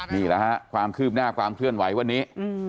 นี่ล่ะครับความขึ้บหน้าความเคลื่อนไหววันนี้